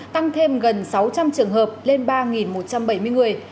tăng thêm gần sáu trăm linh trường hợp lên ba một trăm bảy mươi người